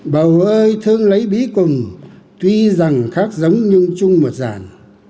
bầu ơi thương lấy bí cùng tuy rằng khác giống nhưng chung một dàn